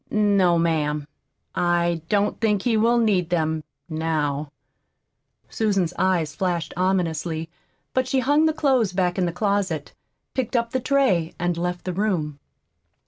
"No, ma'am, I don't think he will need them now." Susan's eyes flashed ominously. But she hung the clothes back in the closet, picked up the tray, and left the room.